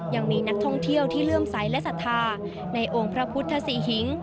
ยังมีนักท่องเที่ยวที่เลื่อมใสและศรัทธาในองค์พระพุทธศรีหิง